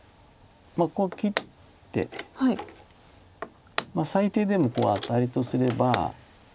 こう切って最低でもアタリとすれば。